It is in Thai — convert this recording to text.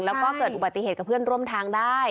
แล้วก็เกิดอุบัติเหตุกับเพื่อนร่วมทางได้